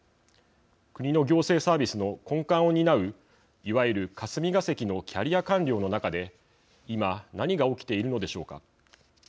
国の行政サービスの根幹を担ういわゆる霞が関のキャリア官僚の中で今、何が起きているのでしょうか。